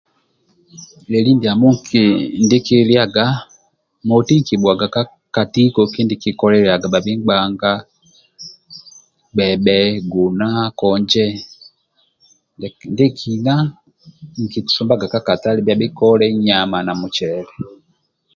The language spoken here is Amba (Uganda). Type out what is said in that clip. Lieli ndiamo ndie nkliaga moti nkibhuaga ka tiko bhia bingbanga gbebhe guna na konje ndiekina nkisumbaga ka katale bhia bhikole nyama na mucele